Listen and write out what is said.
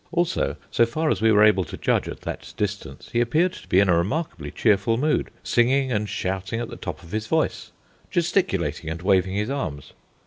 Also, so far as we were able to judge at that distance, he appeared to be in a remarkably cheerful mood, singing and shouting at the top of his voice, gesticulating, and waving his arms.